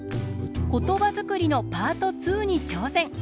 「ことばづくり！」のパート２にちょうせん。